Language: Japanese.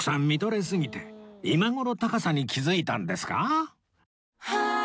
見とれすぎて今頃高さに気づいたんですか？